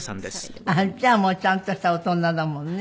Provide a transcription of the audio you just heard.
じゃあもうちゃんとした大人だもんね。